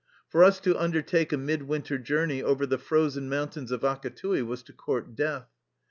For us to undertake a midwinter journey over the frozen mountains of Akattii was to court death.